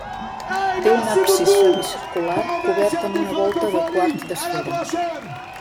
Té un absis semicircular cobert amb una volta de quart d'esfera.